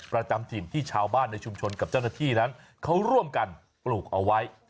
ประจำถิ่นที่ชาวบ้านในชุมชนกับเจ้าหน้าที่นั้นเขาร่วมกันปลูกเอาไว้